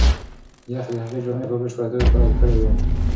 یخ د هغې جامې په بشپړه توګه کلکې کړې وې.